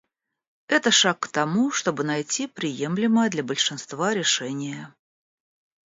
Это шаг к тому, чтобы найти приемлемое для большинства решение.